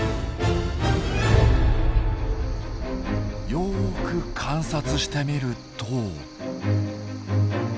よく観察してみると。